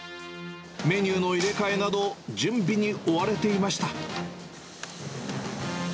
メニューの入れ替えなど、準備に追われていました。